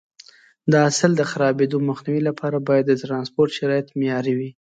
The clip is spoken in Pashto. د حاصل د خرابېدو مخنیوي لپاره باید د ټرانسپورټ شرایط معیاري وي.